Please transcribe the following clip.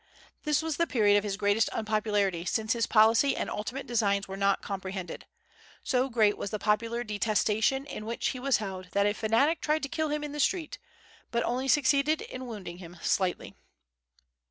This was the period of his greatest unpopularity, since his policy and ultimate designs were not comprehended. So great was the popular detestation in which he was held that a fanatic tried to kill him in the street, but only succeeded in wounding him slightly.